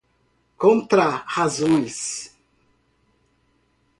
contrarrazões